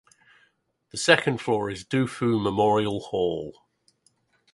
The second floor is Du Fu Memorial Hall.